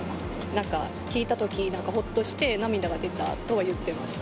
なんか、聞いたとき、ほっとして、涙が出たとは言ってました。